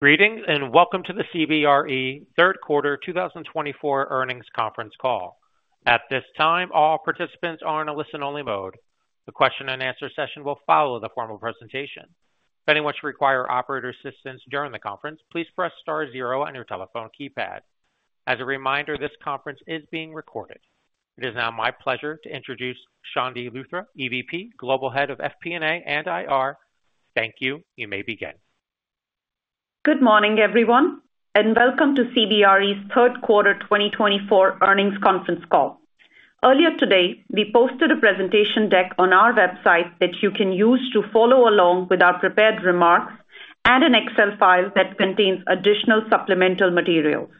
...Greetings, and welcome to the CBRE third quarter 2024 earnings conference call. At this time, all participants are in a listen-only mode. The question and answer session will follow the formal presentation. If anyone should require operator assistance during the conference, please press star zero on your telephone keypad. As a reminder, this conference is being recorded. It is now my pleasure to introduce Chandni Luthra, EVP, Global Head of FP&A and IR. Thank you. You may begin. Good morning, everyone, and welcome to CBRE's third quarter twenty twenty-four earnings conference call. Earlier today, we posted a presentation deck on our website that you can use to follow along with our prepared remarks and an Excel file that contains additional supplemental materials.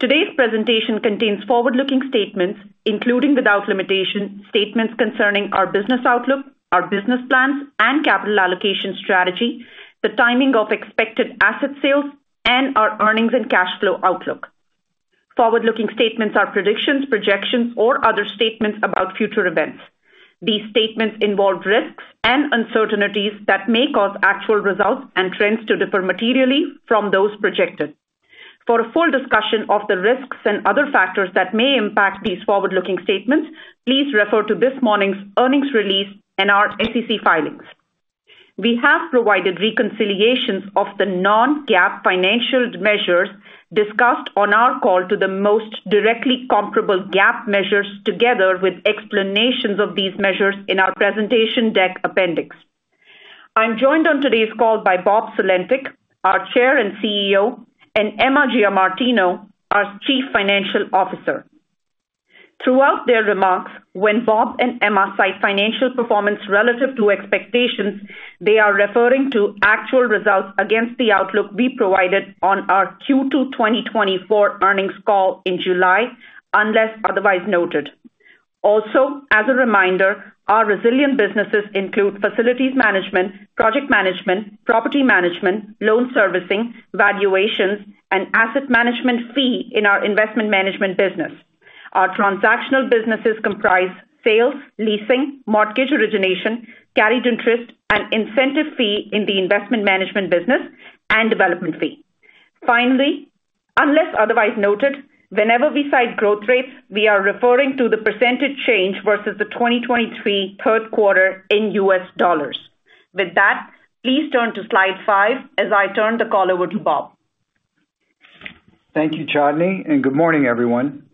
Today's presentation contains forward-looking statements, including, without limitation, statements concerning our business outlook, our business plans and capital allocation strategy, the timing of expected asset sales, and our earnings and cash flow outlook. Forward-looking statements are predictions, projections, or other statements about future events. These statements involve risks and uncertainties that may cause actual results and trends to differ materially from those projected. For a full discussion of the risks and other factors that may impact these forward-looking statements, please refer to this morning's earnings release and our SEC filings. We have provided reconciliations of the non-GAAP financial measures discussed on our call to the most directly comparable GAAP measures, together with explanations of these measures in our presentation deck appendix. I'm joined on today's call by Bob Sulentic, our Chair and CEO, and Emma Giamartino, our Chief Financial Officer. Throughout their remarks, when Bob and Emma cite financial performance relative to expectations, they are referring to actual results against the outlook we provided on our Q2 twenty twenty-four earnings call in July, unless otherwise noted. Also, as a reminder, our resilient businesses include facilities management, project management, property management, loan servicing, valuations, and asset management fee in our investment management business. Our transactional businesses comprise sales, leasing, mortgage origination, carried interest, and incentive fee in the investment management business and development fee. Finally, unless otherwise noted, whenever we cite growth rates, we are referring to the percentage change versus the 2023 third quarter in U.S. dollars. With that, please turn to slide five as I turn the call over to Bob. Thank you, Chandni, and good morning, everyone.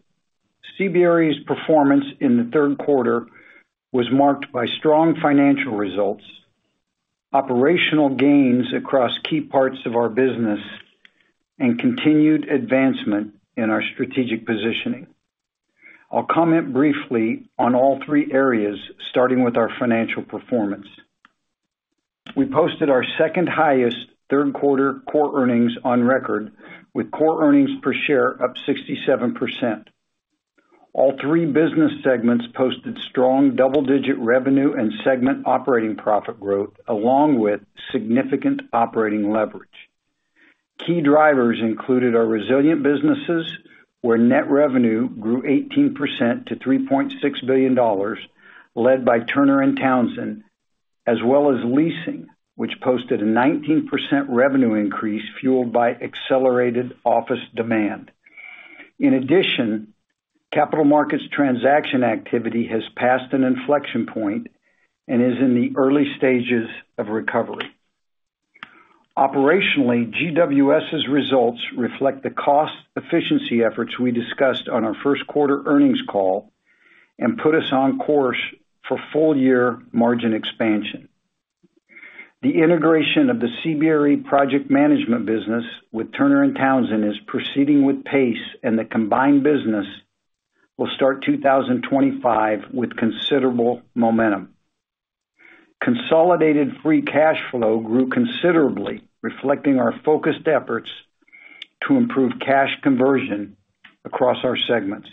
CBRE's performance in the third quarter was marked by strong financial results, operational gains across key parts of our business, and continued advancement in our strategic positioning. I'll comment briefly on all three areas, starting with our financial performance. We posted our second highest third quarter core earnings on record, with core earnings per share up 67%. All three business segments posted strong double-digit revenue and segment operating profit growth, along with significant operating leverage. Key drivers included our resilient businesses, where net revenue grew 18% to $3.6 billion, led by Turner & Townsend, as well as leasing, which posted a 19% revenue increase, fueled by accelerated office demand. In addition, capital markets transaction activity has passed an inflection point and is in the early stages of recovery. Operationally, GWS's results reflect the cost efficiency efforts we discussed on our first quarter earnings call and put us on course for full-year margin expansion. The integration of the CBRE project management business with Turner & Townsend is proceeding with pace, and the combined business will start 2025 with considerable momentum. Consolidated free cash flow grew considerably, reflecting our focused efforts to improve cash conversion across our segments.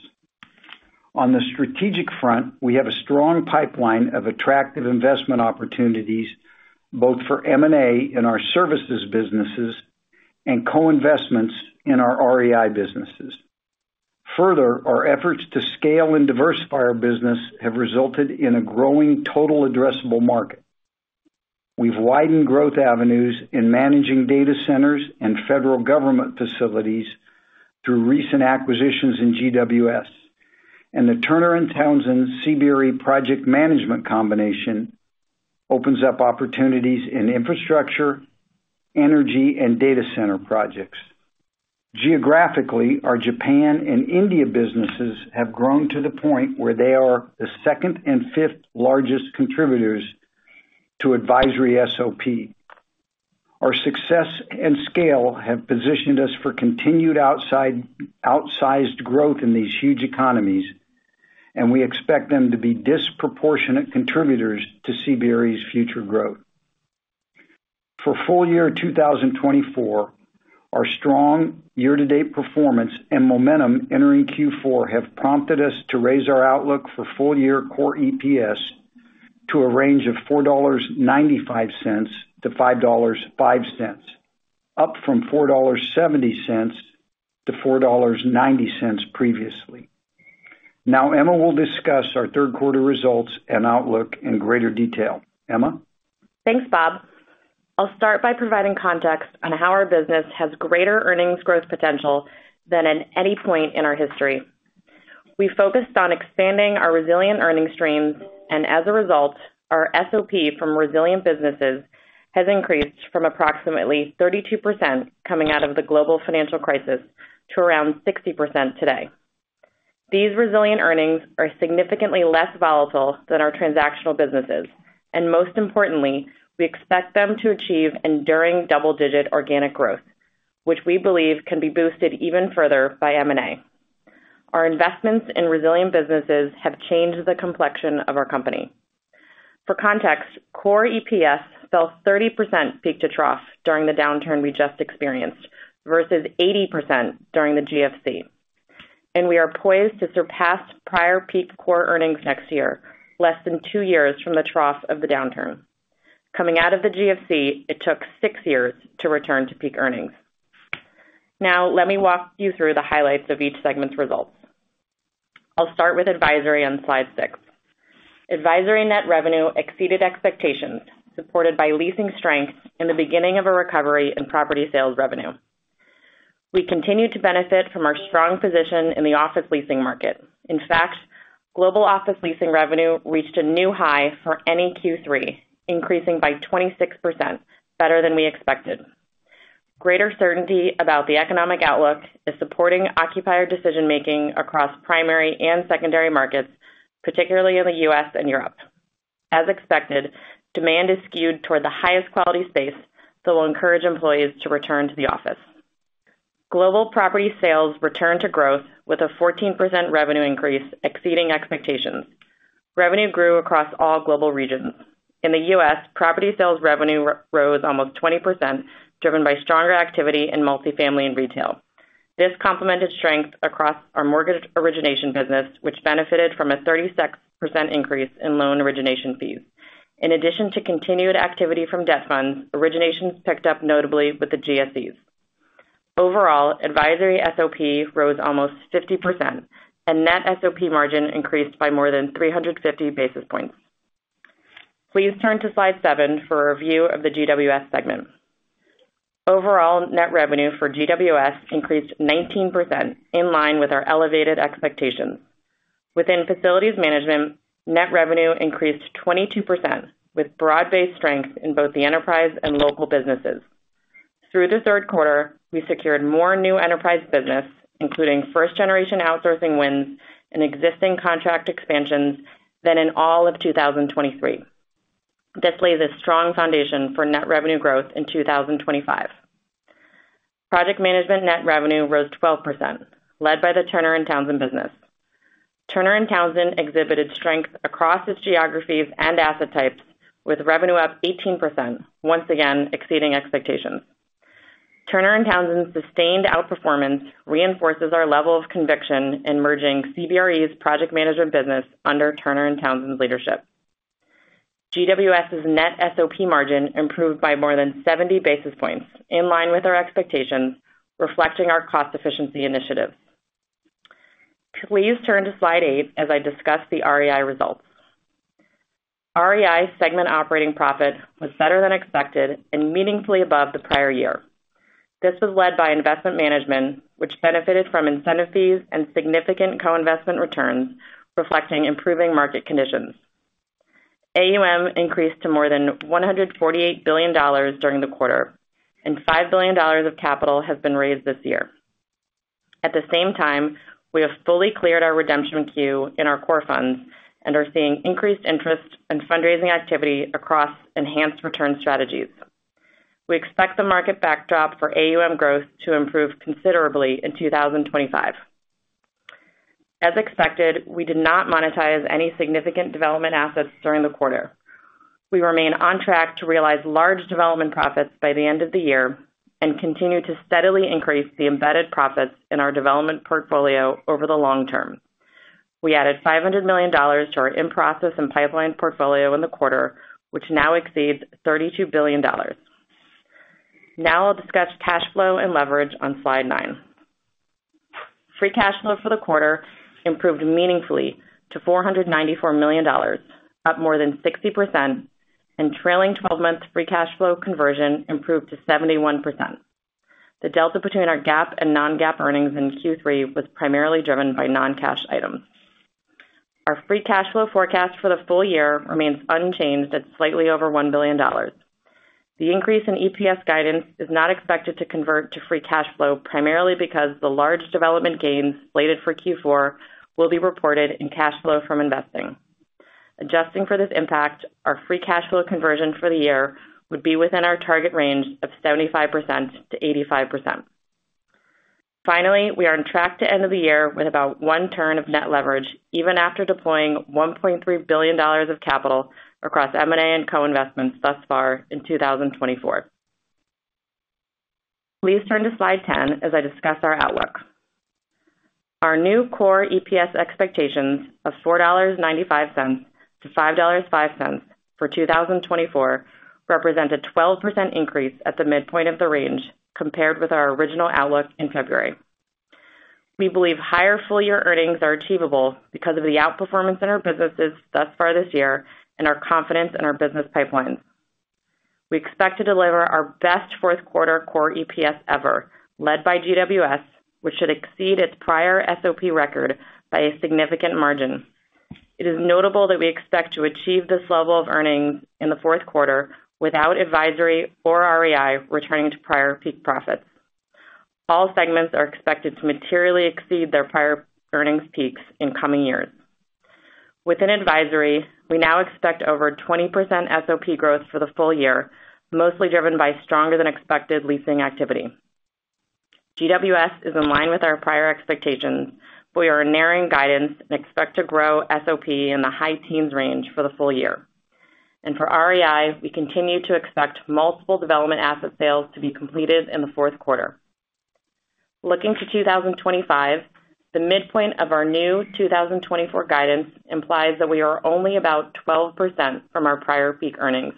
On the strategic front, we have a strong pipeline of attractive investment opportunities, both for M&A in our services businesses and co-investments in our REI businesses. Further, our efforts to scale and diversify our business have resulted in a growing total addressable market. We've widened growth avenues in managing data centers and federal government facilities through recent acquisitions in GWS, and the Turner & Townsend CBRE project management combination opens up opportunities in infrastructure, energy, and data center projects. Geographically, our Japan and India businesses have grown to the point where they are the second and fifth largest contributors to advisory SOP. Our success and scale have positioned us for continued outsized growth in these huge economies, and we expect them to be disproportionate contributors to CBRE's future growth. For full year two thousand and twenty-four, our strong year-to-date performance and momentum entering Q4 have prompted us to raise our outlook for full year core EPS to a range of $4.95-$5.05, up from $4.70-$4.90 previously. Now, Emma will discuss our third quarter results and outlook in greater detail. Emma? Thanks, Bob. I'll start by providing context on how our business has greater earnings growth potential than at any point in our history. We focused on expanding our resilient earnings streams, and as a result, our SOP from resilient businesses has increased from approximately 32% coming out of the global financial crisis to around 60% today. These resilient earnings are significantly less volatile than our transactional businesses, and most importantly, we expect them to achieve enduring double-digit organic growth, which we believe can be boosted even further by M&A. Our investments in resilient businesses have changed the complexion of our company. For context, core EPS fell 30% peak to trough during the downturn we just experienced, versus 80% during the GFC, and we are poised to surpass prior peak core earnings next year, less than two years from the trough of the downturn. Coming out of the GFC, it took six years to return to peak earnings. Now, let me walk you through the highlights of each segment's results. I'll start with advisory on slide six. Advisory net revenue exceeded expectations, supported by leasing strength and the beginning of a recovery in property sales revenue. We continued to benefit from our strong position in the office leasing market. In fact, global office leasing revenue reached a new high for any Q3, increasing by 26%, better than we expected. Greater certainty about the economic outlook is supporting occupier decision-making across primary and secondary markets, particularly in the U.S. and Europe. As expected, demand is skewed toward the highest quality space that will encourage employees to return to the office. Global property sales returned to growth with a 14% revenue increase, exceeding expectations. Revenue grew across all global regions. In the U.S., property sales revenue rose almost 20%, driven by stronger activity in multifamily and retail. This complemented strength across our mortgage origination business, which benefited from a 36% increase in loan origination fees. In addition to continued activity from debt funds, originations picked up notably with the GSEs. Overall, advisory SOP rose almost 50%, and net SOP margin increased by more than 350 basis points. Please turn to slide 7 for a review of the GWS segment. Overall, net revenue for GWS increased 19%, in line with our elevated expectations. Within facilities management, net revenue increased 22%, with broad-based strength in both the enterprise and local businesses. Through the third quarter, we secured more new enterprise business, including first-generation outsourcing wins and existing contract expansions than in all of 2023. This lays a strong foundation for net revenue growth in 2025. Project management net revenue rose 12%, led by the Turner & Townsend business. Turner & Townsend exhibited strength across its geographies and asset types, with revenue up 18%, once again exceeding expectations. Turner & Townsend's sustained outperformance reinforces our level of conviction in merging CBRE's project management business under Turner & Townsend's leadership. GWS's net SOP margin improved by more than seventy basis points, in line with our expectations, reflecting our cost efficiency initiatives. Please turn to slide 8 as I discuss the REI results. REI segment operating profit was better than expected and meaningfully above the prior year. This was led by investment management, which benefited from incentive fees and significant co-investment returns, reflecting improving market conditions. AUM increased to more than $148 billion during the quarter, and $5 billion of capital has been raised this year. At the same time, we have fully cleared our redemption queue in our core funds and are seeing increased interest and fundraising activity across enhanced return strategies. We expect the market backdrop for AUM growth to improve considerably in 2025. As expected, we did not monetize any significant development assets during the quarter. We remain on track to realize large development profits by the end of the year and continue to steadily increase the embedded profits in our development portfolio over the long term. We added $500 million to our in-process and pipeline portfolio in the quarter, which now exceeds $32 billion. Now I'll discuss cash flow and leverage on slide nine. Free cash flow for the quarter improved meaningfully to $494 million, up more than 60%, and trailing twelve-month free cash flow conversion improved to 71%. The delta between our GAAP and non-GAAP earnings in Q3 was primarily driven by non-cash items. Our free cash flow forecast for the full year remains unchanged at slightly over $1 billion. The increase in EPS guidance is not expected to convert to free cash flow, primarily because the large development gains slated for Q4 will be reported in cash flow from investing. Adjusting for this impact, our free cash flow conversion for the year would be within our target range of 75%-85%. Finally, we are on track to end of the year with about one turn of net leverage, even after deploying $1.3 billion of capital across M&A and co-investments thus far in 2024. Please turn to slide 10 as I discuss our outlook. Our new core EPS expectations of $4.95-$5.05 for 2024 represent a 12% increase at the midpoint of the range compared with our original outlook in February. We believe higher full-year earnings are achievable because of the outperformance in our businesses thus far this year and our confidence in our business pipelines. We expect to deliver our best fourth quarter core EPS ever, led by GWS, which should exceed its prior SOP record by a significant margin. It is notable that we expect to achieve this level of earnings in the fourth quarter without advisory or REI returning to prior peak profits. All segments are expected to materially exceed their prior earnings peaks in coming years. Within advisory, we now expect over 20% SOP growth for the full year, mostly driven by stronger than expected leasing activity. GWS is in line with our prior expectations. We are narrowing guidance and expect to grow SOP in the high teens range for the full year. And for REI, we continue to expect multiple development asset sales to be completed in the fourth quarter. Looking to 2025, the midpoint of our new 2024 guidance implies that we are only about 12% from our prior peak earnings.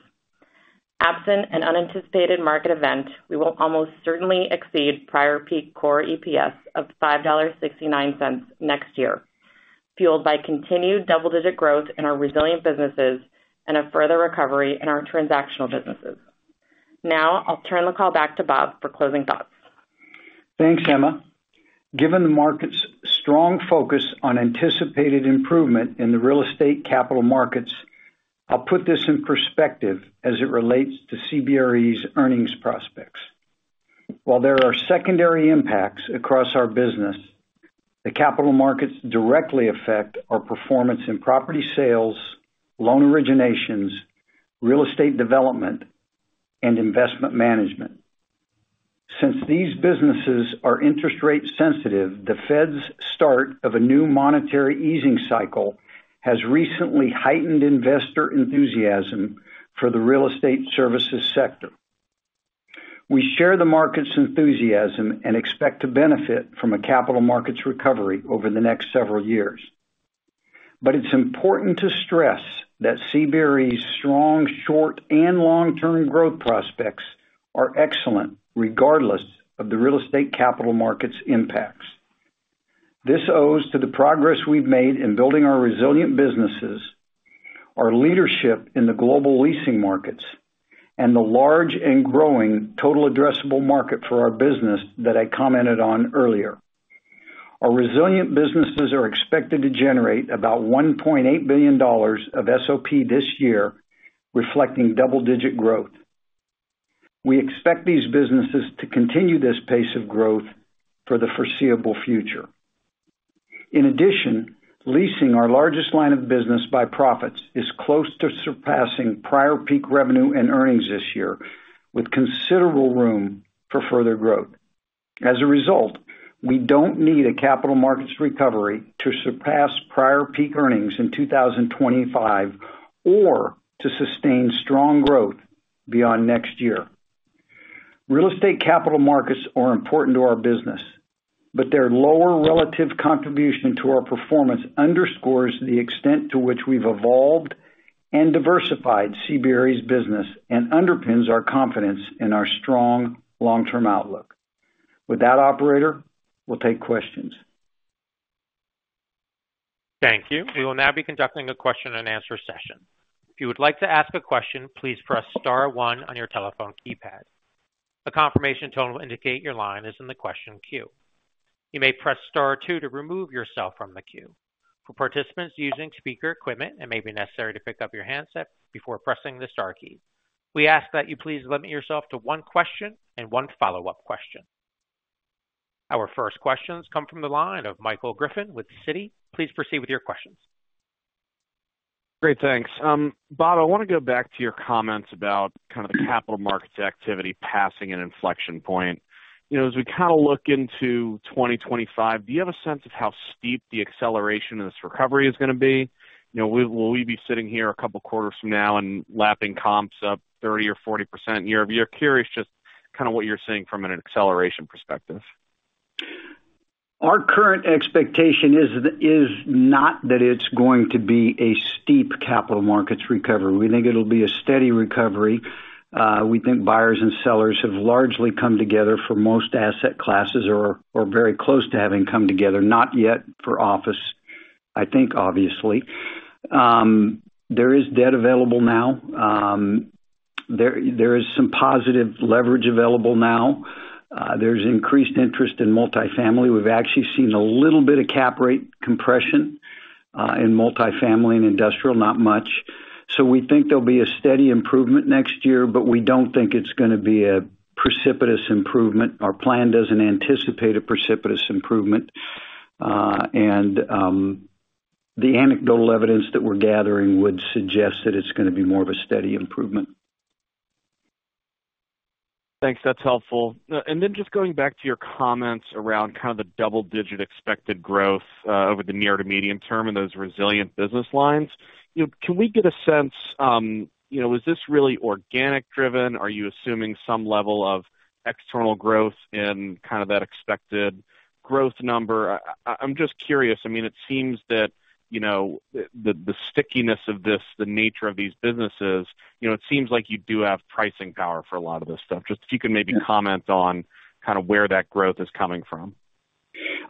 Absent an unanticipated market event, we will almost certainly exceed prior peak core EPS of $5.69 next year, fueled by continued double-digit growth in our resilient businesses and a further recovery in our transactional businesses. Now I'll turn the call back to Bob for closing thoughts. Thanks, Emma. Given the market's strong focus on anticipated improvement in the real estate capital markets, I'll put this in perspective as it relates to CBRE's earnings prospects. While there are secondary impacts across our business, the capital markets directly affect our performance in property sales, loan originations, real estate development, and investment management. Since these businesses are interest rate sensitive, the Fed's start of a new monetary easing cycle has recently heightened investor enthusiasm for the real estate services sector. We share the market's enthusiasm and expect to benefit from a capital markets recovery over the next several years. But it's important to stress that CBRE's strong, short, and long-term growth prospects are excellent, regardless of the real estate capital markets impacts. This owes to the progress we've made in building our resilient businesses, our leadership in the global leasing markets, and the large and growing total addressable market for our business that I commented on earlier. Our resilient businesses are expected to generate about $1.8 billion of SOP this year, reflecting double-digit growth. We expect these businesses to continue this pace of growth for the foreseeable future. In addition, leasing, our largest line of business by profits, is close to surpassing prior peak revenue and earnings this year, with considerable room for further growth. As a result, we don't need a capital markets recovery to surpass prior peak earnings in 2025 or to sustain strong growth beyond next year. Real estate capital markets are important to our business, but their lower relative contribution to our performance underscores the extent to which we've evolved and diversified CBRE's business and underpins our confidence in our strong long-term outlook. With that, operator, we'll take questions. Thank you. We will now be conducting a question-and-answer session. If you would like to ask a question, please press star one on your telephone keypad. A confirmation tone will indicate your line is in the question queue. You may press star two to remove yourself from the queue. For participants using speaker equipment, it may be necessary to pick up your handset before pressing the star key. We ask that you please limit yourself to one question and one follow-up question. Our first questions come from the line of Michael Griffin with Citi. Please proceed with your questions. Great, thanks. Bob, I want to go back to your comments about kind of capital markets activity passing an inflection point. You know, as we kind of look into 2025, do you have a sense of how steep the acceleration of this recovery is going to be? You know, will we be sitting here a couple of quarters from now and lapping comps up 30% or 40% year over year? Curious just kind of what you're seeing from an acceleration perspective. Our current expectation is not that it's going to be a steep capital markets recovery. We think it'll be a steady recovery. We think buyers and sellers have largely come together for most asset classes or very close to having come together. Not yet for office, I think, obviously. There is debt available now. There is some positive leverage available now. There's increased interest in multifamily. We've actually seen a little bit of cap rate compression in multifamily and industrial, not much. So we think there'll be a steady improvement next year, but we don't think it's gonna be a precipitous improvement. Our plan doesn't anticipate a precipitous improvement, and the anecdotal evidence that we're gathering would suggest that it's gonna be more of a steady improvement. Thanks. That's helpful. And then just going back to your comments around kind of the double-digit expected growth over the near to medium term and those resilient business lines. You know, can we get a sense, you know, is this really organic driven? Are you assuming some level of-... external growth and kind of that expected growth number. I, I'm just curious, I mean, it seems that, you know, the stickiness of this, the nature of these businesses, you know, it seems like you do have pricing power for a lot of this stuff. Just if you could maybe comment on kind of where that growth is coming from.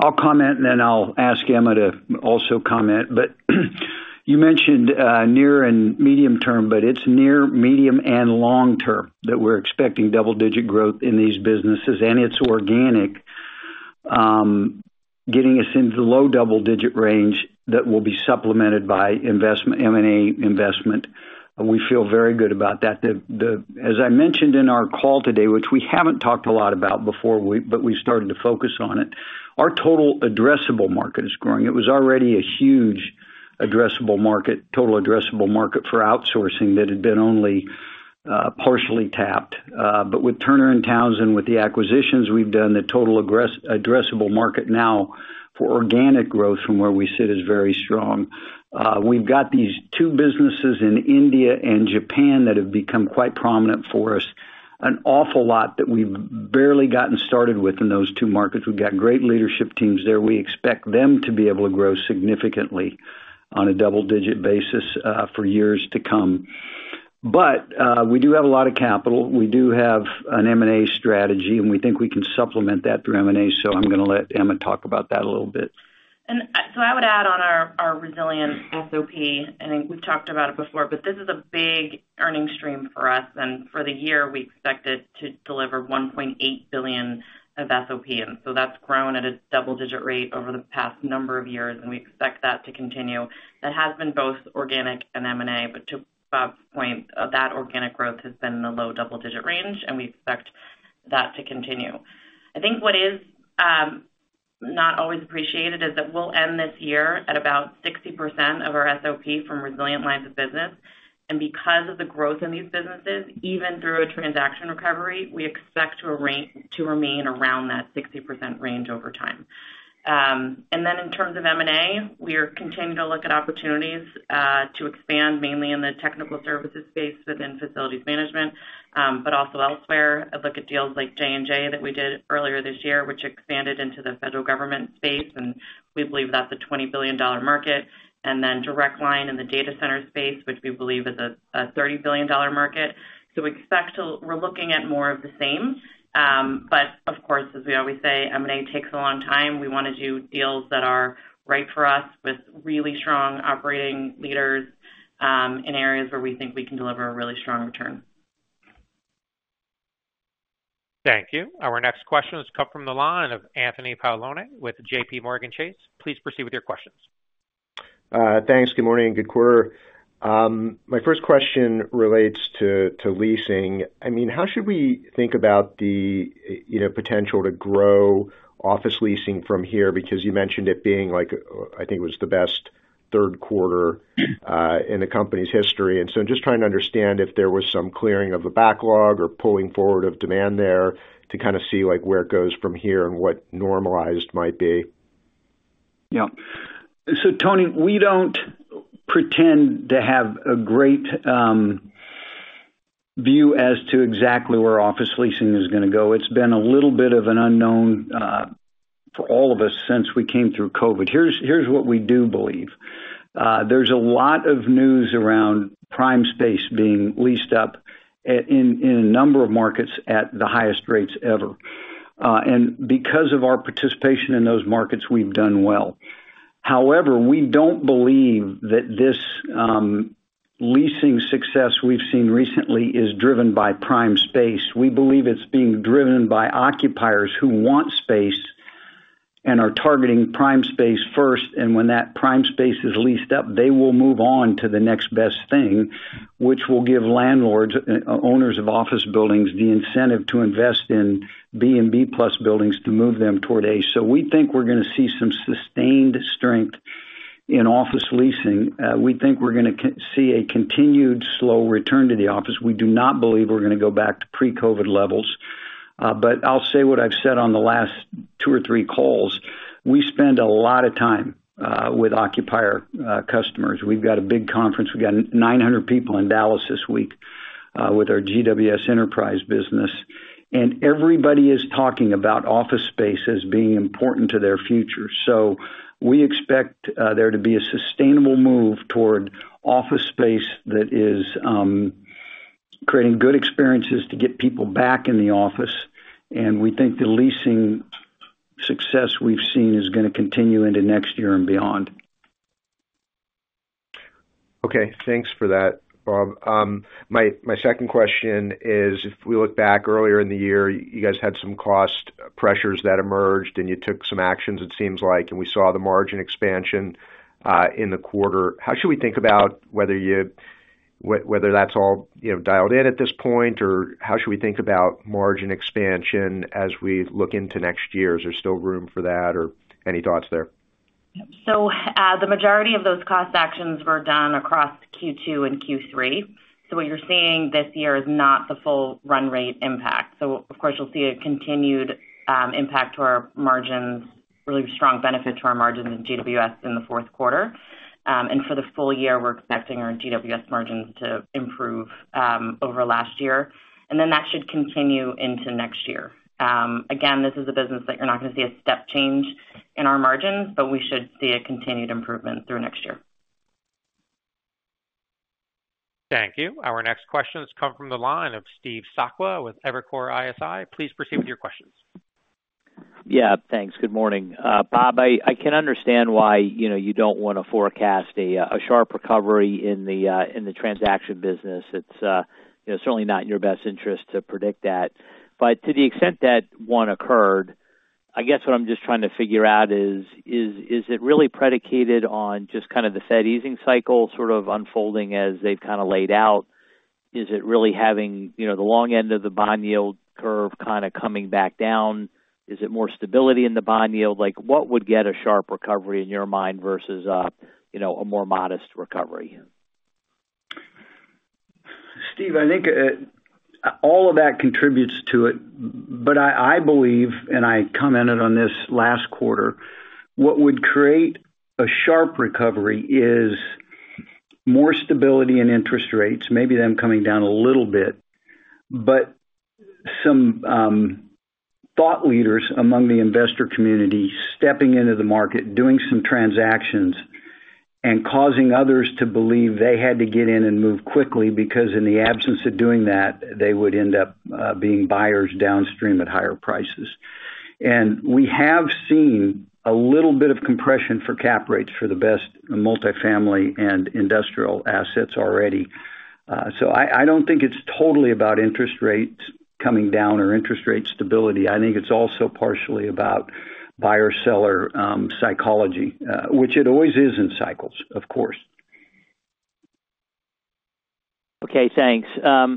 I'll comment, and then I'll ask Emma to also comment. But you mentioned, near and medium term, but it's near, medium, and long term that we're expecting double-digit growth in these businesses, and it's organic, getting us into the low double-digit range that will be supplemented by investment, M&A investment. We feel very good about that. As I mentioned in our call today, which we haven't talked a lot about before, but we started to focus on it, our total addressable market is growing. It was already a huge addressable market, total addressable market for outsourcing that had been only, partially tapped. But with Turner & Townsend, with the acquisitions we've done, the total addressable market now for organic growth from where we sit is very strong. We've got these two businesses in India and Japan that have become quite prominent for us. An awful lot that we've barely gotten started with in those two markets. We've got great leadership teams there. We expect them to be able to grow significantly on a double-digit basis, for years to come. But, we do have a lot of capital. We do have an M&A strategy, and we think we can supplement that through M&A, so I'm gonna let Emma talk about that a little bit. I would add on our resilient SOP, and we've talked about it before, but this is a big earning stream for us, and for the year, we expect it to deliver $1.8 billion of SOP. That's grown at a double-digit rate over the past number of years, and we expect that to continue. That has been both organic and M&A, but to Bob's point, that organic growth has been in the low double-digit range, and we expect that to continue. I think what is not always appreciated is that we'll end this year at about 60% of our SOP from resilient lines of business, and because of the growth in these businesses, even through a transaction recovery, we expect to remain around that 60% range over time. And then in terms of M&A, we are continuing to look at opportunities to expand, mainly in the technical services space within facilities management, but also elsewhere. I'd look at deals like J&J that we did earlier this year, which expanded into the federal government space, and we believe that's a $20 billion market. And then Direct Line in the data center space, which we believe is a $30 billion market. So we expect to... We're looking at more of the same, but of course, as we always say, M&A takes a long time. We wanna do deals that are right for us, with really strong operating leaders, in areas where we think we can deliver a really strong return. Thank you. Our next question has come from the line of Anthony Paolone with JPMorgan Chase. Please proceed with your questions. Thanks. Good morning, good quarter. My first question relates to leasing. I mean, how should we think about you know, potential to grow office leasing from here? Because you mentioned it being like, I think it was the best third quarter in the company's history. And so just trying to understand if there was some clearing of the backlog or pulling forward of demand there to kind of see, like, where it goes from here and what normalized might be. Yeah. So Tony, we don't pretend to have a great view as to exactly where office leasing is gonna go. It's been a little bit of an unknown for all of us since we came through COVID. Here's what we do believe: There's a lot of news around prime space being leased up in a number of markets at the highest rates ever. And because of our participation in those markets, we've done well. However, we don't believe that this leasing success we've seen recently is driven by prime space. We believe it's being driven by occupiers who want space and are targeting prime space first, and when that prime space is leased up, they will move on to the next best thing, which will give landlords, owners of office buildings, the incentive to invest in B and B-plus buildings to move them toward A. So we think we're gonna see some sustained strength in office leasing. We think we're gonna see a continued slow return to the office. We do not believe we're gonna go back to pre-COVID levels. But I'll say what I've said on the last two or three calls: We spend a lot of time with occupier customers. We've got a big conference. We've got nine hundred people in Dallas this week with our GWS enterprise business, and everybody is talking about office space as being important to their future. So we expect there to be a sustainable move toward office space that is creating good experiences to get people back in the office, and we think the leasing success we've seen is gonna continue into next year and beyond. Okay, thanks for that, Bob. My second question is, if we look back earlier in the year, you guys had some cost pressures that emerged, and you took some actions, it seems like, and we saw the margin expansion in the quarter. How should we think about whether you... whether that's all, you know, dialed in at this point, or how should we think about margin expansion as we look into next year? Is there still room for that, or any thoughts there? So, the majority of those cost actions were done across Q2 and Q3. So what you're seeing this year is not the full run rate impact. So of course, you'll see a continued impact to our margins, really strong benefit to our margin in GWS in the fourth quarter, and for the full year, we're expecting our GWS margins to improve over last year, and then that should continue into next year. Again, this is a business that you're not going to see a step change in our margins, but we should see a continued improvement through next year. Thank you. Our next question has come from the line of Steve Sakwa with Evercore ISI. Please proceed with your questions. Yeah, thanks. Good morning. Bob, I can understand why, you know, you don't want to forecast a sharp recovery in the transaction business. It's certainly not in your best interest to predict that. But to the extent that one occurred, I guess what I'm just trying to figure out is it really predicated on just kind of the Fed easing cycle, sort of unfolding as they've kind of laid out? Is it really having, you know, the long end of the bond yield curve kind of coming back down? Is it more stability in the bond yield? Like, what would get a sharp recovery in your mind versus a more modest recovery? Steve, I think all of that contributes to it, but I believe, and I commented on this last quarter, what would create a sharp recovery is more stability in interest rates, maybe them coming down a little bit. But some thought leaders among the investor community, stepping into the market, doing some transactions, and causing others to believe they had to get in and move quickly, because in the absence of doing that, they would end up being buyers downstream at higher prices. And we have seen a little bit of compression for cap rates for the best multifamily and industrial assets already. So I don't think it's totally about interest rates coming down or interest rate stability. I think it's also partially about buyer-seller psychology, which it always is in cycles, of course. Okay, thanks.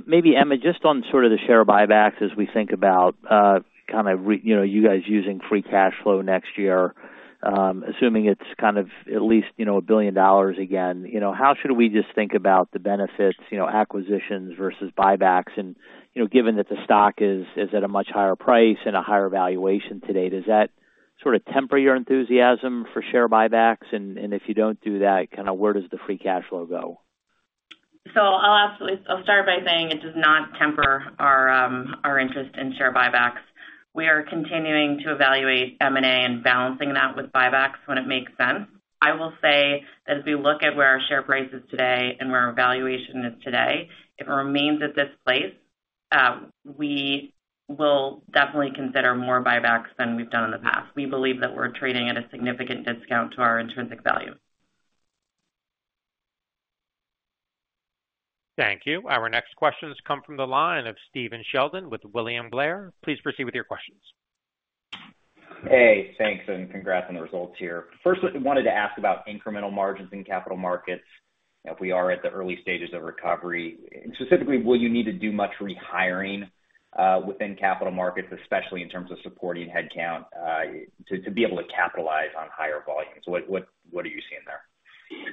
Maybe, Emma, just on sort of the share buybacks as we think about, kind of you know, you guys using free cash flow next year, assuming it's kind of at least, you know, $1 billion again, you know, how should we just think about the benefits, you know, acquisitions versus buybacks? And, you know, given that the stock is at a much higher price and a higher valuation today, does that sort of temper your enthusiasm for share buybacks? And if you don't do that, kind of where does the free cash flow go? So I'll absolutely start by saying it does not temper our interest in share buybacks. We are continuing to evaluate M&A and balancing that with buybacks when it makes sense. I will say that as we look at where our share price is today and where our valuation is today, if it remains at this place, we will definitely consider more buybacks than we've done in the past. We believe that we're trading at a significant discount to our intrinsic value. Thank you. Our next question has come from the line of Stephen Sheldon with William Blair. Please proceed with your questions. Hey, thanks, and congrats on the results here. First, I wanted to ask about incremental margins in capital markets. If we are at the early stages of recovery, specifically, will you need to do much rehiring within capital markets, especially in terms of supporting headcount to be able to capitalize on higher volumes? What are you seeing there?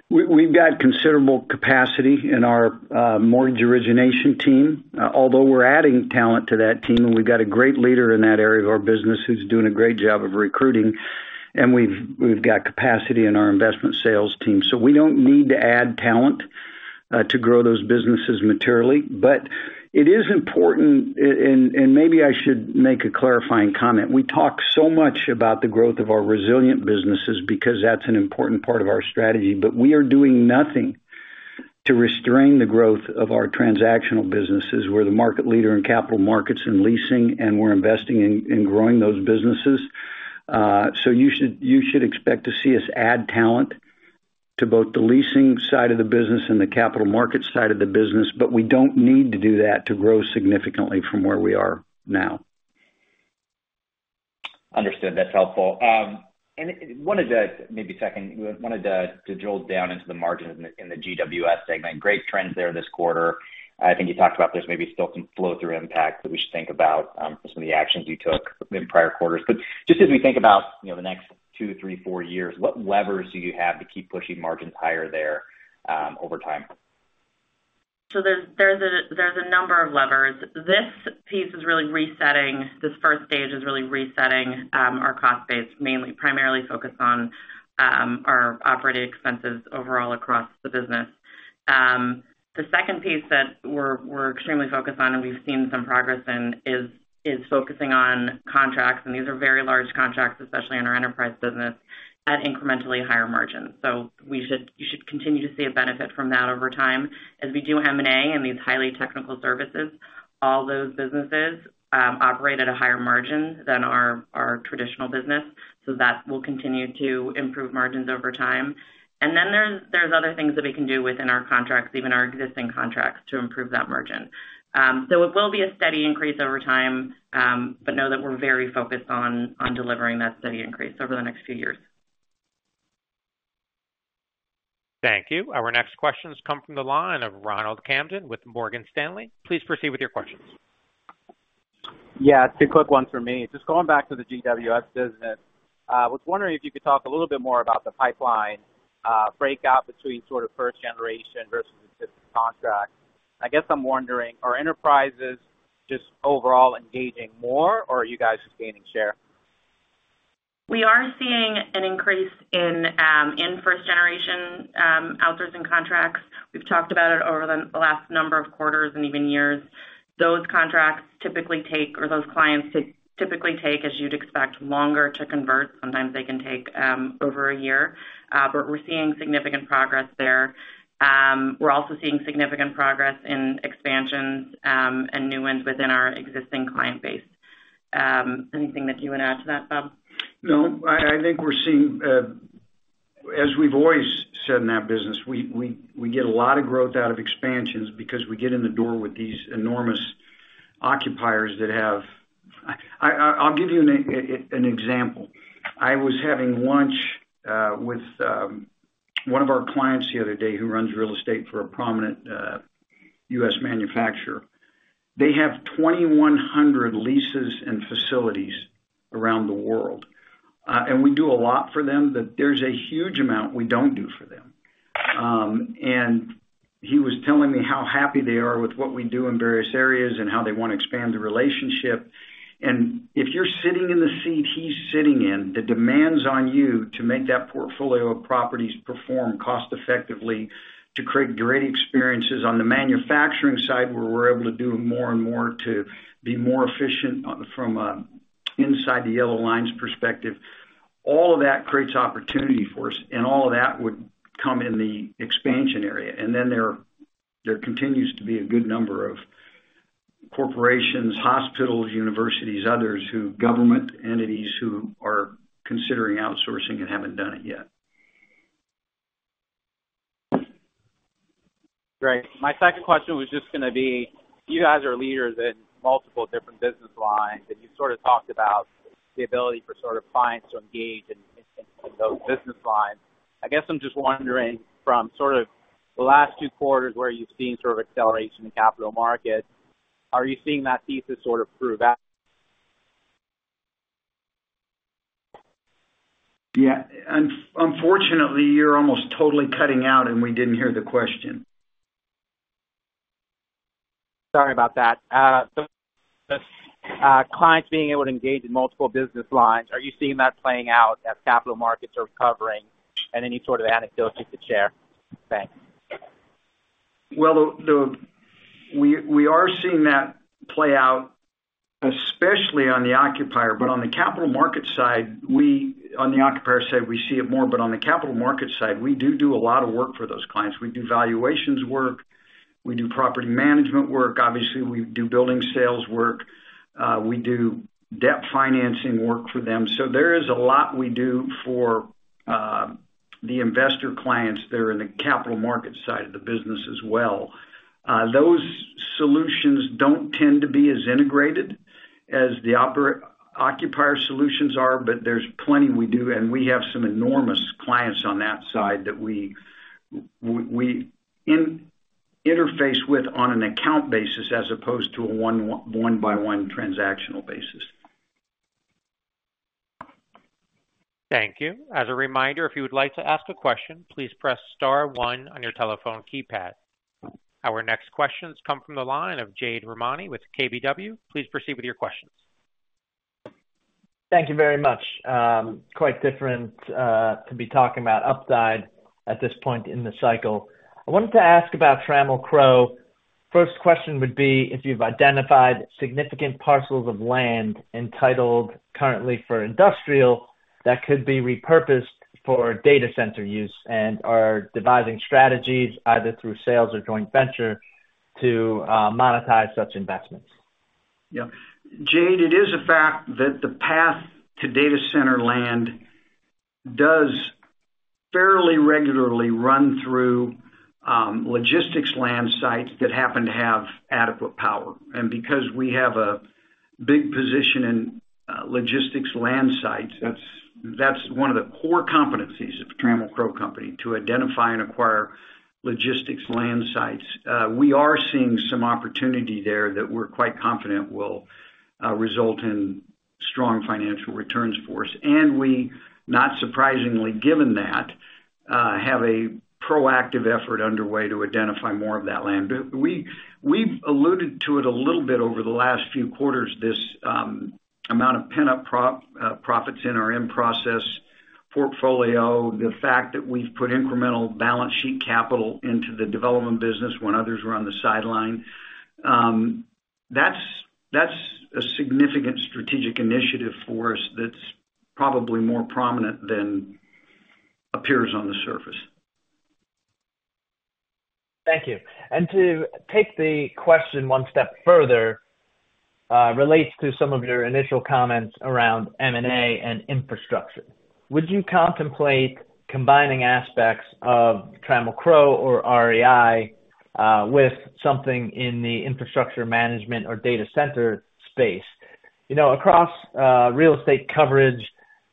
We've got considerable capacity in our mortgage origination team, although we're adding talent to that team, and we've got a great leader in that area of our business who's doing a great job of recruiting, and we've got capacity in our investment sales team. So we don't need to add talent to grow those businesses materially. But it is important, and maybe I should make a clarifying comment. We talk so much about the growth of our resilient businesses because that's an important part of our strategy, but we are doing nothing to restrain the growth of our transactional businesses. We're the market leader in capital markets and leasing, and we're investing in growing those businesses. You should expect to see us add talent to both the leasing side of the business and the capital markets side of the business, but we don't need to do that to grow significantly from where we are now. Understood. That's helpful. And wanted to maybe second drill down into the margins in the GWS segment. Great trends there this quarter. I think you talked about there's maybe still some flow-through impact that we should think about for some of the actions you took in prior quarters. But just as we think about, you know, the next two, three, four years, what levers do you have to keep pushing margins higher there over time? So there's a number of levers. This piece is really resetting. This first stage is really resetting our cost base, mainly primarily focused on our operating expenses overall across the business. The second piece that we're extremely focused on, and we've seen some progress in, is focusing on contracts, and these are very large contracts, especially in our enterprise business, at incrementally higher margins. So you should continue to see a benefit from that over time. As we do M&A in these highly technical services, all those businesses operate at a higher margin than our traditional business, so that will continue to improve margins over time. And then there's other things that we can do within our contracts, even our existing contracts, to improve that margin. So it will be a steady increase over time, but know that we're very focused on delivering that steady increase over the next few years. Thank you. Our next question has come from the line of Ronald Kamdem with Morgan Stanley. Please proceed with your questions. Yeah, it's a quick one for me. Just going back to the GWS business, I was wondering if you could talk a little bit more about the pipeline, breakout between sort of first generation versus existing contracts.... I guess I'm wondering, are enterprises just overall engaging more, or are you guys just gaining share? We are seeing an increase in first-generation outsourcing contracts. We've talked about it over the last number of quarters and even years. Those contracts typically take, or those clients typically take, as you'd expect, longer to convert. Sometimes they can take over a year, but we're seeing significant progress there. We're also seeing significant progress in expansions and new wins within our existing client base. Anything that you would add to that, Bob? No, I think we're seeing, as we've always said in that business, we get a lot of growth out of expansions because we get in the door with these enormous occupiers that have... I'll give you an example. I was having lunch with one of our clients the other day, who runs real estate for a prominent U.S. manufacturer. They have twenty-one hundred leases and facilities around the world, and we do a lot for them, but there's a huge amount we don't do for them, and he was telling me how happy they are with what we do in various areas and how they want to expand the relationship. And if you're sitting in the seat he's sitting in, the demands on you to make that portfolio of properties perform cost effectively, to create great experiences on the manufacturing side, where we're able to do more and more to be more efficient on—from an inside the yellow lines perspective, all of that creates opportunity for us, and all of that would come in the expansion area. And then there continues to be a good number of corporations, hospitals, universities, others, government entities, who are considering outsourcing and haven't done it yet. Great. My second question was just gonna be: You guys are leaders in multiple different business lines, and you sort of talked about the ability for sort of clients to engage in those business lines. I guess I'm just wondering, from sort of the last two quarters, where you've seen sort of acceleration in capital markets, are you seeing that thesis sort of prove out? Yeah. Unfortunately, you're almost totally cutting out, and we didn't hear the question. Sorry about that. So, clients being able to engage in multiple business lines, are you seeing that playing out as capital markets are recovering, and any sort of anecdotes you could share? Thanks. We are seeing that play out, especially on the occupier. But on the capital market side, on the occupier side, we see it more, but on the capital market side, we do a lot of work for those clients. We do valuations work, we do property management work. Obviously, we do building sales work, we do debt financing work for them. So there is a lot we do for the investor clients that are in the capital market side of the business as well. Those solutions don't tend to be as integrated as the occupier solutions are, but there's plenty we do, and we have some enormous clients on that side that we interface with on an account basis, as opposed to a one-by-one transactional basis. Thank you. As a reminder, if you would like to ask a question, please press star one on your telephone keypad. Our next questions come from the line of Jade Rahmani with KBW. Please proceed with your questions. Thank you very much. Quite different to be talking about upside at this point in the cycle. I wanted to ask about Trammell Crow. First question would be if you've identified significant parcels of land entitled currently for industrial, that could be repurposed for data center use and are devising strategies either through sales or joint venture to monetize such investments? Yeah. Jade, it is a fact that the path to data center land does fairly regularly run through logistics land sites that happen to have adequate power. And because we have a big position in logistics land sites, that's one of the core competencies of Trammell Crow Company, to identify and acquire logistics land sites. We are seeing some opportunity there that we're quite confident will result in strong financial returns for us. And we, not surprisingly given that, have a proactive effort underway to identify more of that land. But we, we've alluded to it a little bit over the last few quarters, this amount of pent-up profits in our in-process portfolio, the fact that we've put incremental balance sheet capital into the development business when others were on the sideline. That's a significant strategic initiative for us that's probably more prominent than appears on the surface. Thank you. And to take the question one step further, relates to some of your initial comments around M&A and infrastructure. Would you contemplate combining aspects of Trammell Crow or REI with something in the infrastructure management or data center space? You know, across real estate coverage,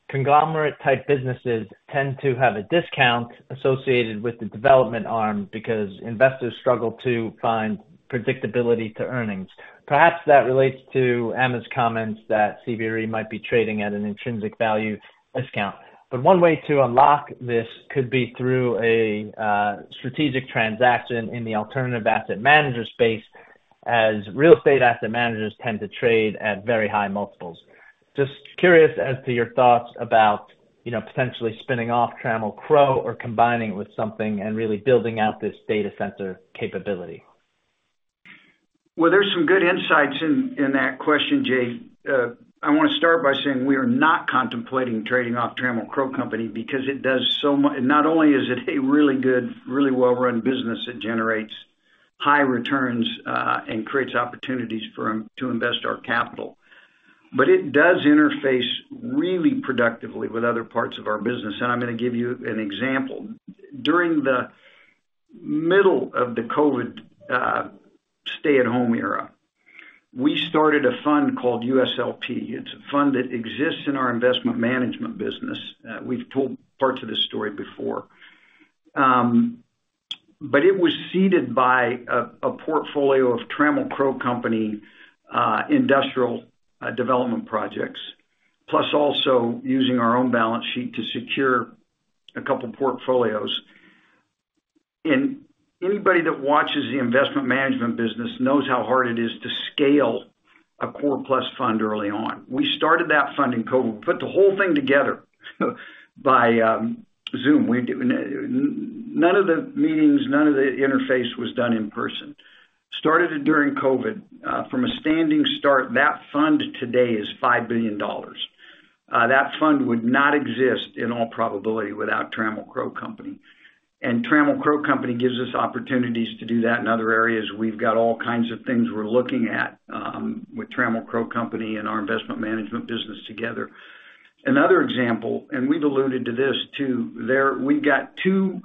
conglomerate-type businesses tend to have a discount associated with the development arm, because investors struggle to find predictability to earnings. Perhaps that relates to Emma's comments that CBRE might be trading at an intrinsic value discount. But one way to unlock this could be through a strategic transaction in the alternative asset manager space.... as real estate asset managers tend to trade at very high multiples. Just curious as to your thoughts about, you know, potentially spinning off Trammell Crow or combining it with something and really building out this data center capability. There's some good insights in that question, Jade. I want to start by saying we are not contemplating trading off Trammell Crow Company because it does so much not only is it a really good, really well-run business that generates high returns, and creates opportunities for them to invest our capital, but it does interface really productively with other parts of our business, and I'm gonna give you an example. During the middle of the COVID stay-at-home era, we started a fund called USLP. It's a fund that exists in our investment management business. We've told parts of this story before. But it was seeded by a portfolio of Trammell Crow Company industrial development projects, plus also using our own balance sheet to secure a couple portfolios. Anybody that watches the investment management business knows how hard it is to scale a core plus fund early on. We started that fund in COVID, put the whole thing together by Zoom. None of the meetings, none of the interface was done in person. Started it during COVID, from a standing start. That fund today is $5 billion. That fund would not exist, in all probability, without Trammell Crow Company. Trammell Crow Company gives us opportunities to do that in other areas. We've got all kinds of things we're looking at, with Trammell Crow Company and our investment management business together. Another example, and we've alluded to this, too. There, we've got two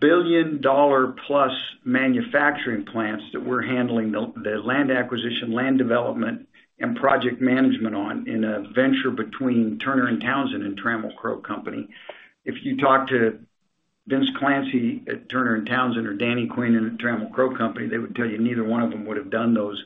billion-dollar-plus manufacturing plants that we're handling the land acquisition, land development, and project management on in a venture between Turner & Townsend and Trammell Crow Company. If you talk to Vince Clancy at Turner & Townsend or Danny Queenan in Trammell Crow Company, they would tell you neither one of them would have done those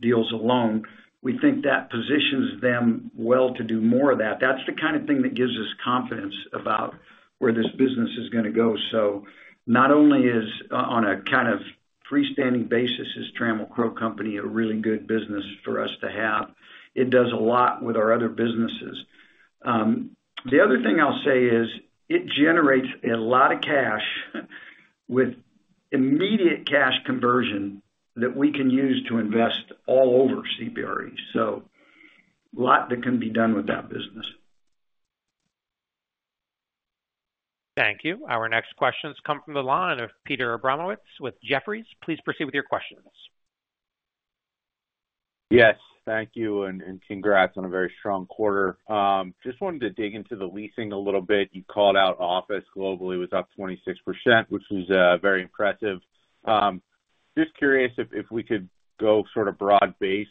deals alone. We think that positions them well to do more of that. That's the kind of thing that gives us confidence about where this business is gonna go. So not only is, on a kind of freestanding basis, Trammell Crow Company a really good business for us to have, it does a lot with our other businesses. The other thing I'll say is, it generates a lot of cash with immediate cash conversion that we can use to invest all over CBRE, so a lot that can be done with that business. Thank you. Our next question comes from the line of Peter Abramowitz with Jefferies. Please proceed with your questions. Yes, thank you, and congrats on a very strong quarter. Just wanted to dig into the leasing a little bit. You called out office globally was up 26%, which is very impressive. Just curious if we could go sort of broad-based,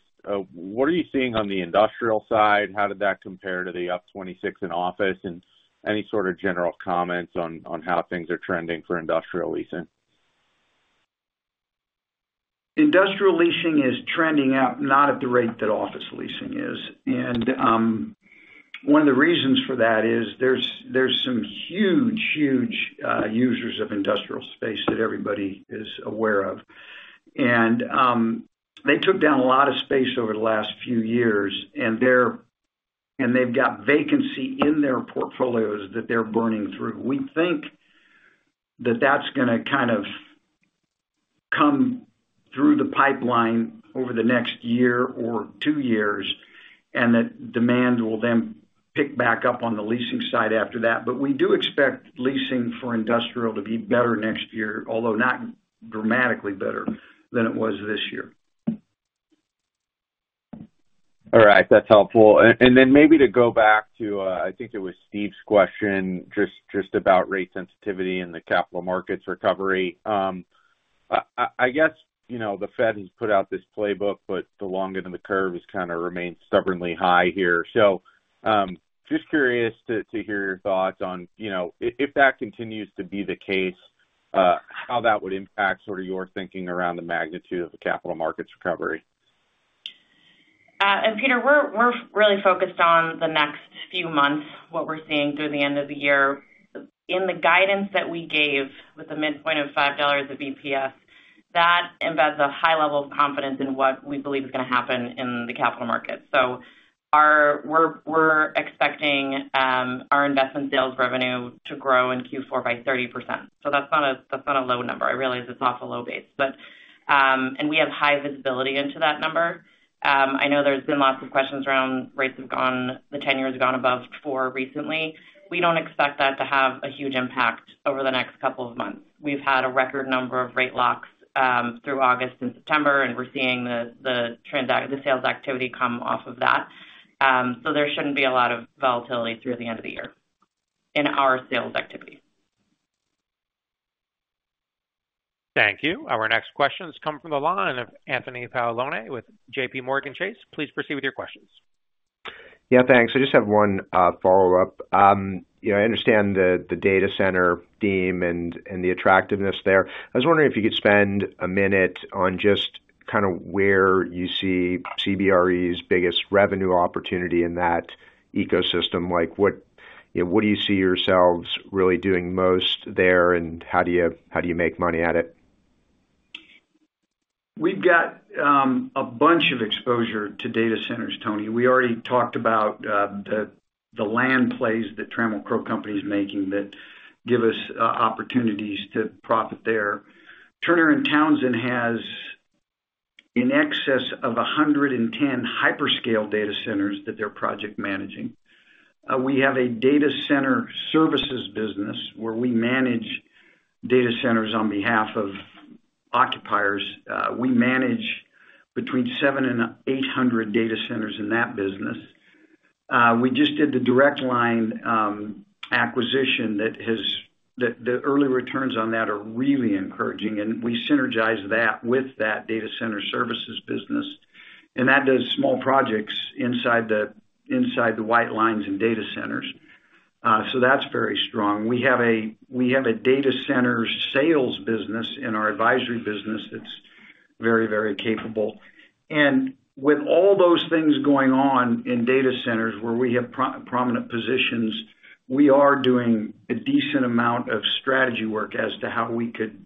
what are you seeing on the industrial side? How did that compare to the up 26% in office, and any sort of general comments on how things are trending for industrial leasing? Industrial leasing is trending up, not at the rate that office leasing is. And one of the reasons for that is there's some huge users of industrial space that everybody is aware of. And they took down a lot of space over the last few years, and they've got vacancy in their portfolios that they're burning through. We think that that's gonna kind of come through the pipeline over the next year or two years, and that demand will then pick back up on the leasing side after that. But we do expect leasing for industrial to be better next year, although not dramatically better than it was this year. All right. That's helpful. And then maybe to go back to, I think it was Steve's question, just about rate sensitivity and the capital markets recovery. I guess, you know, the Fed has put out this playbook, but the longer the curve has kind of remained stubbornly high here. So, just curious to hear your thoughts on, you know, if that continues to be the case, how that would impact sort of your thinking around the magnitude of the capital markets recovery. Peter, we're really focused on the next few months, what we're seeing through the end of the year. In the guidance that we gave, with the midpoint of $5 EBITDA, that embeds a high level of confidence in what we believe is gonna happen in the capital markets. So we're expecting our investment sales revenue to grow in Q4 by 30%. So that's not a low number. I realize it's off a low base, but and we have high visibility into that number. I know there's been lots of questions around rates have gone, the 10-year has gone above 4 recently. We don't expect that to have a huge impact over the next couple of months. We've had a record number of rate locks through August and September, and we're seeing the sales activity come off of that. So there shouldn't be a lot of volatility through the end of the year in our sales activity. Thank you. Our next question has come from the line of Anthony Paolone with JPMorgan Chase. Please proceed with your questions. Yeah, thanks. I just have one follow-up. You know, I understand the data center theme and the attractiveness there. I was wondering if you could spend a minute on just kind of where you see CBRE's biggest revenue opportunity in that ecosystem. Like, what-... Yeah, what do you see yourselves really doing most there, and how do you make money at it? We've got a bunch of exposure to data centers, Tony. We already talked about the land plays that Trammell Crow Company is making that give us opportunities to profit there. Turner & Townsend has in excess of 110 hyperscale data centers that they're project managing. We have a data center services business, where we manage data centers on behalf of occupiers. We manage between 700 and 800 data centers in that business. We just did the Direct Line acquisition, and the early returns on that are really encouraging, and we synergize that with that data center services business, and that does small projects inside the white lines in data centers. So that's very strong. We have a data center sales business in our advisory business that's very, very capable. With all those things going on in data centers, where we have prominent positions, we are doing a decent amount of strategy work as to how we could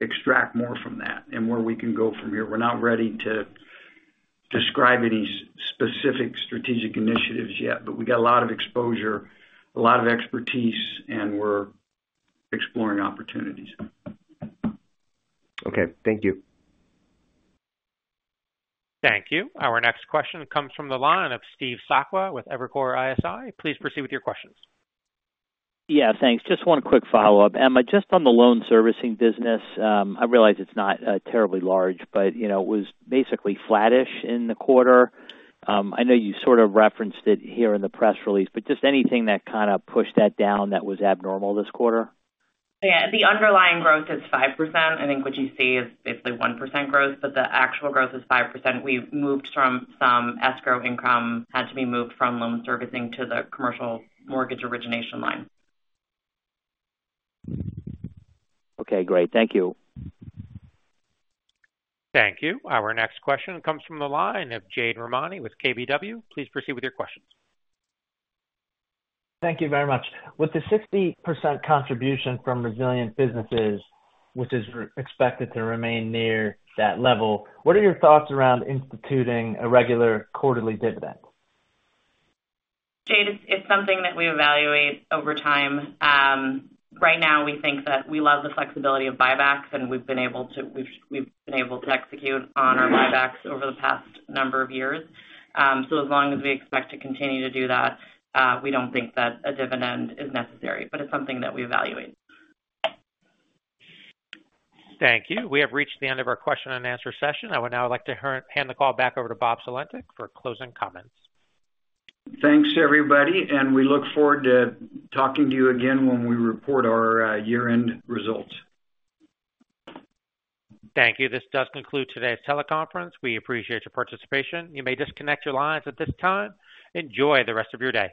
extract more from that and where we can go from here. We're not ready to describe any specific strategic initiatives yet, but we got a lot of exposure, a lot of expertise, and we're exploring opportunities. Okay. Thank you. Thank you. Our next question comes from the line of Steve Sakwa with Evercore ISI. Please proceed with your questions. Yeah, thanks. Just one quick follow-up. Emma, just on the loan servicing business, I realize it's not terribly large, but, you know, it was basically flattish in the quarter. I know you sort of referenced it here in the press release, but just anything that kind of pushed that down that was abnormal this quarter? Yeah, the underlying growth is 5%. I think what you see is basically 1% growth, but the actual growth is 5%. We've moved from some escrow income, had to be moved from loan servicing to the commercial mortgage origination line. Okay, great. Thank you. Thank you. Our next question comes from the line of Jade Rahmani with KBW. Please proceed with your questions. Thank you very much. With the 60% contribution from resilient businesses, which is expected to remain near that level, what are your thoughts around instituting a regular quarterly dividend? Jade, it's something that we evaluate over time. Right now, we think that we love the flexibility of buybacks, and we've been able to execute on our buybacks over the past number of years. So as long as we expect to continue to do that, we don't think that a dividend is necessary, but it's something that we evaluate. Thank you. We have reached the end of our question and answer session. I would now like to hand the call back over to Bob Sulentic for closing comments. Thanks, everybody, and we look forward to talking to you again when we report our year-end results. Thank you. This does conclude today's teleconference. We appreciate your participation. You may disconnect your lines at this time. Enjoy the rest of your day.